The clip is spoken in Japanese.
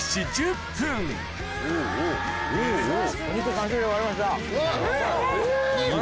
お肉３種類終わりました！